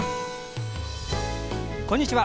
こんにちは。